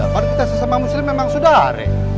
berarti sesama muslim memang saudara